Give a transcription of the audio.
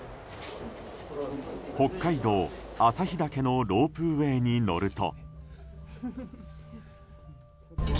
北海道旭岳のロープウェーに乗ると。